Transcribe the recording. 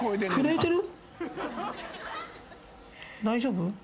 大丈夫？